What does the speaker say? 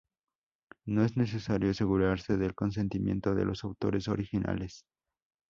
No es necesario asegurarse del consentimiento de los autores originales.